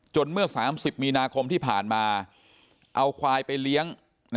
เมื่อ๓๐มีนาคมที่ผ่านมาเอาควายไปเลี้ยง